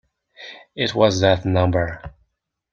It was that number.